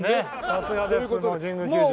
さすがですもう神宮球場。